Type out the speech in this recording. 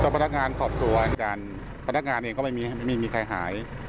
พนักงานขอบส่วนพนักงานเองก็ไม่มีไม่มีมีใครหาย